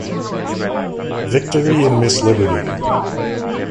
Victory and Miss Liberty.